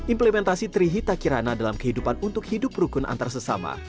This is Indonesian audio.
implementasi trihita kirana dalam kehidupan untuk hidup rukun antarsesama